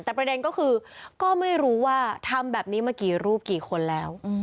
แต่ประเด็นก็คือก็ไม่รู้ว่าทำแบบนี้มากี่รูปกี่คนแล้ว